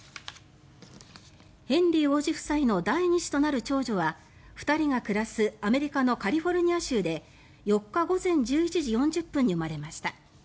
ヘンリー王子夫妻の第２子となる長女は２人が暮らすアメリカのカリフォルニア州で４日午前１１時４０分に生まれました。